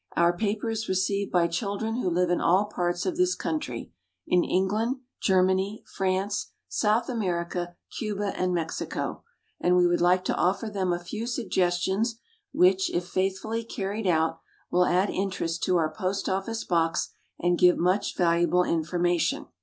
Our paper is received by children who live in all parts of this country, in England, Germany, France, South America, Cuba, and Mexico; and we would like to offer them a few suggestions which, if faithfully carried out, will add interest to our Post office Box, and give much valuable information.